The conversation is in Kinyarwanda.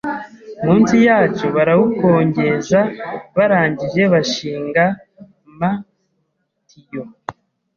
munsi yacu barawukongeza barangije bashing ama tuyau